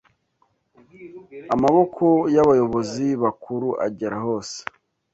amaboko y'abayobozi bakuru agera hose